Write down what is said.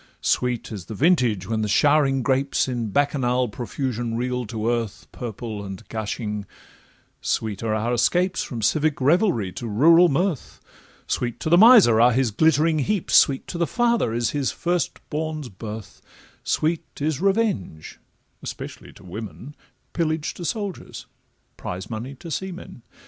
Sweet is the vintage, when the showering grapes In Bacchanal profusion reel to earth, Purple and gushing: sweet are our escapes From civic revelry to rural mirth; Sweet to the miser are his glittering heaps, Sweet to the father is his first born's birth, Sweet is revenge—especially to women, Pillage to soldiers, prize money to seamen.